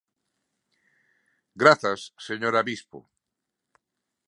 Grazas, señora Vispo.